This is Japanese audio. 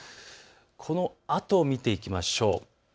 このあとを見ていきましょう。